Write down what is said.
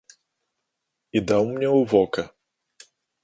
І даў мне ў вока.